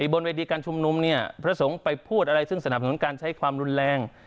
บนเวทีการชุมนุมเนี่ยพระสงฆ์ไปพูดอะไรซึ่งสนับสนุนการใช้ความรุนแรง